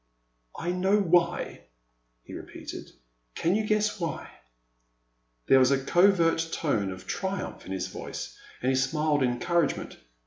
I know why," he repeated; can you guess why ?" There was a covert tone of triumph in his voice and he smiled encouragement.